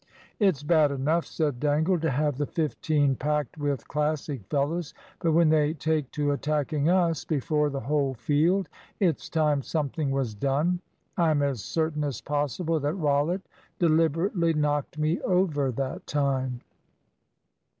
"It's bad enough," said Dangle, "to have the fifteen packed with Classic fellows; but when they take to attacking us before the whole field, it's time something was done. I'm as certain as possible that Rollitt deliberately knocked me over that time."